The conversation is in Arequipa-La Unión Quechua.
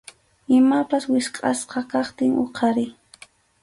Imapas wichqʼasqa kaptin huqariy.